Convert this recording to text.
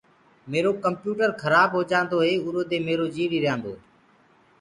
ميرو ڪمپيوٽر کرآب هوجآندو هي اُرو دي ميرو جي ڏريآندوئي۔